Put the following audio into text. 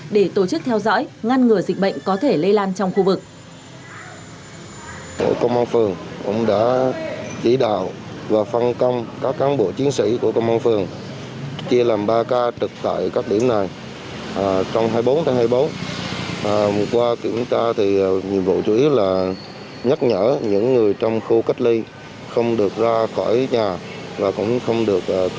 để tổ chức theo dõi ngăn ngừa dịch bệnh có thể lây lan trong khu vực